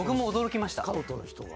スカウトの人が。